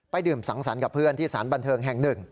ดื่มสังสรรค์กับเพื่อนที่สารบันเทิงแห่งหนึ่ง